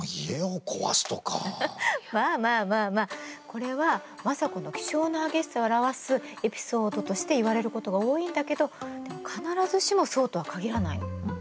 これは政子の気性の激しさを表すエピソードとして言われることが多いんだけどでも必ずしもそうとは限らないの。